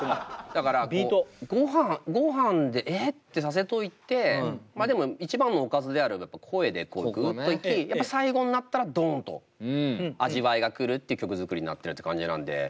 だからもうごはんで「ええ！？」ってさせといてでも一番のおかずであるやっぱ声でこうグッといきやっぱ最後になったらドンと味わいが来るっていう曲作りになってるって感じなんで。